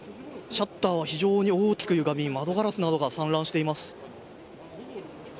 シャッターは非常に非常に大きくゆがみ窓ガラスなどが散乱しています。